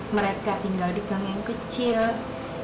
mereka tinggal di gang yang kecil